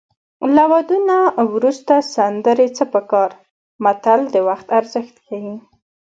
له واده نه وروسته سندرې څه په کار متل د وخت ارزښت ښيي